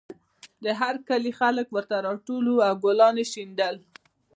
د هر کلي خلک ورته راټول وو او ګلان یې شیندل